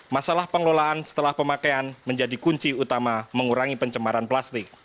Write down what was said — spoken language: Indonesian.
masalah pengelolaan setelah pemakaian menjadi kunci utama mengurangi pencemaran plastik